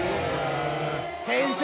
先生